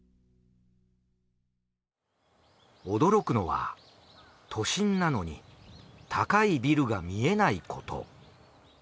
驚くのは都心なのに高いビルが見えないこと。